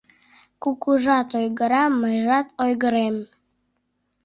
Кукужат ойгыра, мыйжат ойгырем